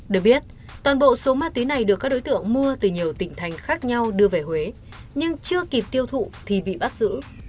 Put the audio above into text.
được biết toàn bộ số ma túy này được các đối tượng mua từ nhiều tỉnh thành khác nhau đưa về huế nhưng chưa kịp tiêu thụ thì bị bắt giữ